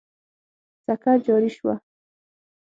سکه جاري شوه.